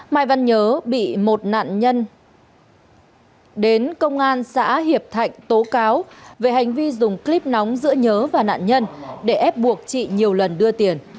mai văn nhớ bị một nạn nhân đến công an xã hiệp thạnh tố cáo về hành vi dùng clip nóng giữa nhớ và nạn nhân để ép buộc chị nhiều lần đưa tiền